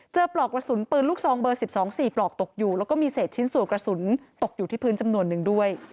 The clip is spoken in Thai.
ปลอกกระสุนปืนลูกซองเบอร์๑๒๔ปลอกตกอยู่แล้วก็มีเศษชิ้นส่วนกระสุนตกอยู่ที่พื้นจำนวนนึงด้วย